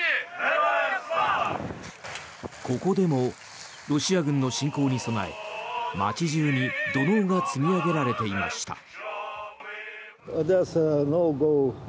ここでもロシア軍の侵攻に備え街中に土のうが積み上げられていました。